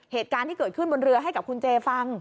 เหตุการณ์ที่เกิดขึ้นบนเรือให้กับคุณเจฟัง